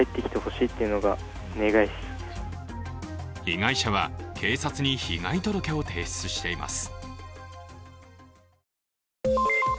被害者は警察に被害届を提出しています。